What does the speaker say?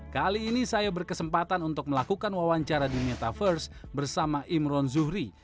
kali ini saya berkesempatan untuk melakukan wawancara di metaverse bersama imron zuhri